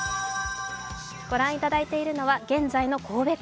御覧頂いているのは現在の神戸港。